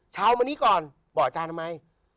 เช้าวันนี้ก่อนบอกอาจารย์ทำไม